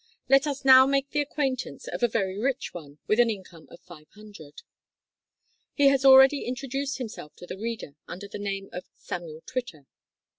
Let us now make the acquaintance of a very rich one with an income of five hundred. He has already introduced himself to the reader under the name of Samuel Twitter.